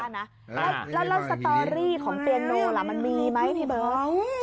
แล้วสตอรี่ของเปียโน่ล่ะมันมีไหมพี่เบิร์ต